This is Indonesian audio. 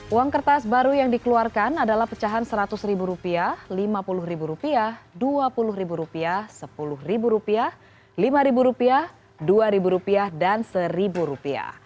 uang kertas baru yang dikeluarkan adalah pecahan rp seratus rp lima puluh rp dua puluh rp sepuluh rp lima rp dua dan rp satu